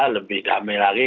lebih damai lagi